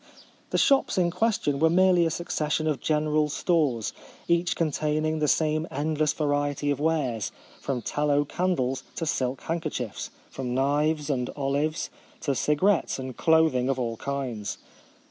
The shops in question were merely a succession of general " stores," each containing the same endless variety of wares, from tal low candles to silk handkerchiefs — from knives and olives to cigarettes and clothing of all kinds.